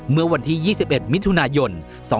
เมื่อวันที่๒๑มิถุนายน๒๕๖